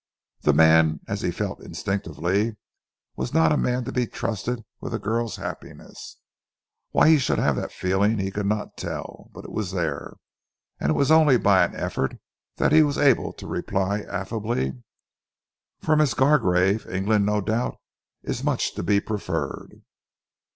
The man, as he felt instinctively, was not a man to be trusted with a girl's happiness. Why he should have that feeling he could not tell; but it was there, and it was only by an effort that he was able to reply affably. "For Miss Gargrave, England, no doubt, is much to be preferred."